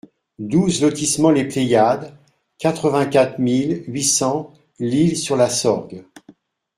douze lotissement les Pléiades, quatre-vingt-quatre mille huit cents L'Isle-sur-la-Sorgue